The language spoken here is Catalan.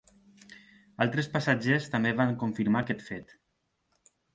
Altres passatgers també van confirmar aquest fet.